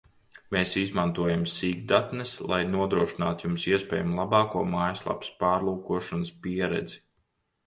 Mēs izmantojam sīkdatnes, lai nodrošinātu Jums iespējami labāko mājaslapas pārlūkošanas pieredzi